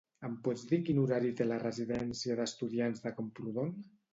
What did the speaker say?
Em pots dir quin horari té la residència d'estudiants de Camprodon?